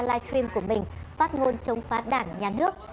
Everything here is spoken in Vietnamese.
livestream của mình phát ngôn chống phá đảng nhà nước